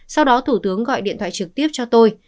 sau đó thủ tướng gọi điện thoại trực tiếp cho tôi